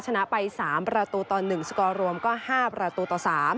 ชนะไป๓ประตูต่อ๑สกอร์รวมก็๕ประตูต่อ๓